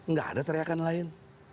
gak ada teriakan lain